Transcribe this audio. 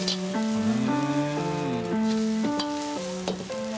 うん。